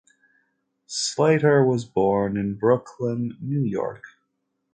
Slater was born in Brooklyn, New York.